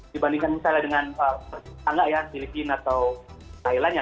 dibandingkan misalnya dengan ah enggak ya filipina atau thailand ya